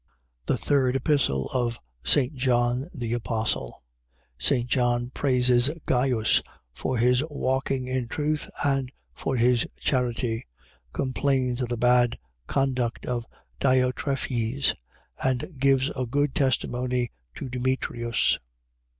THE THIRD EPISTLE OF ST. JOHN THE APOSTLE St. John praises Gaius for his walking in truth and for his charity, complains of the bad conduct of Diotrephes and gives a good testimony to Demetrius.